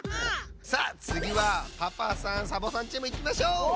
さあつぎはパパさんサボさんチームいきましょう！